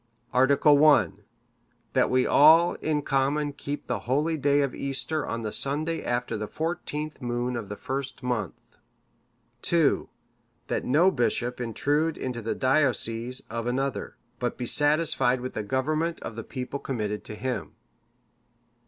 "Article I. That we all in common keep the holy day of Easter on the Sunday after the fourteenth moon of the first month. "II. That no bishop intrude into the diocese of another, but be satisfied with the government of the people committed to him.